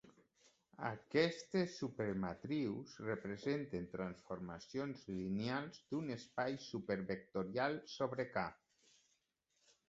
Aquestes super-matrius representen transformacions lineals d'un espai super vectorial sobre "K".